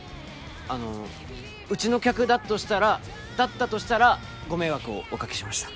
あのうちの客だとしたらだったとしたらご迷惑をおかけしました。